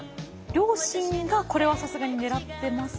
両親がこれはさすがに狙ってます？